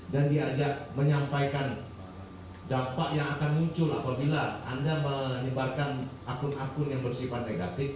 dan diajak menyampaikan dampak yang akan muncul apabila anda menyebarkan akun akun yang bersifat negatif